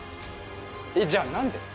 えっじゃあ何で？